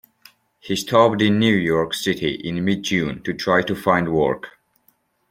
He stopped in New York City in mid-June, to try to find work.